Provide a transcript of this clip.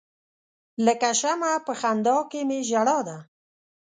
لکه شمع په خندا کې می ژړا ده.